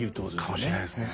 かもしれないですね。